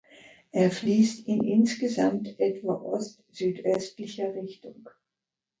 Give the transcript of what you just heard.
Er fließt in insgesamt etwa ostsüdöstlicher Richtung.